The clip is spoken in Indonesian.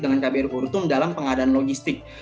dengan kbr kurtum dalam pengadaan logistik